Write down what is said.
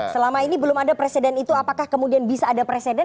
selama ini belum ada presiden itu apakah kemudian bisa ada presiden